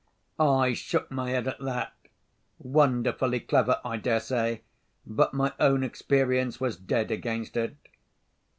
I shook my head at that. Wonderfully clever, I dare say, but my own experience was dead against it.